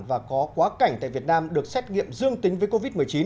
và có quá cảnh tại việt nam được xét nghiệm dương tính với covid một mươi chín